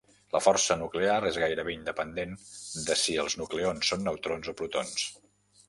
La força nuclear és gairebé independent de si els nucleons són neutrons o protons.